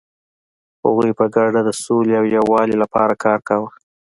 هغوی په ګډه د سولې او یووالي لپاره کار کاوه.